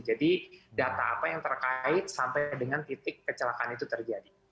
jadi data apa yang terkait sampai dengan titik kecelakaan itu terjadi